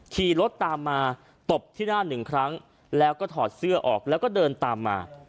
ขี่รถตามมาตบที่หน้าหนึ่งครั้งแล้วก็ถอดเสื้อออกแล้วก็เดินตามมา